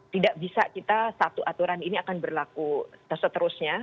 tidak bisa kita satu aturan ini akan berlaku seterusnya